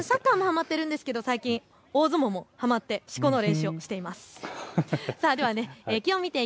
しゅと犬くん、サッカーもはまっているんですけれども大相撲もはまってしこの練習をしています。